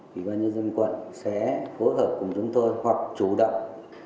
ủy ban nhân dân quận sẽ phối hợp cùng chúng tôi hoặc chủ động